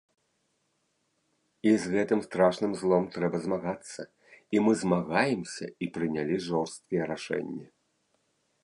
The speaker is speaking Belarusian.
І з гэтым страшным злом трэба змагацца, і мы змагаемся і прынялі жорсткія рашэнні.